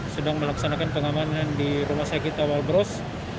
sedang melaksanakan pengamanan di rumah sakit awal bros